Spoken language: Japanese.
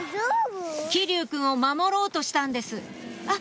騎琉くんを守ろうとしたんですあっ！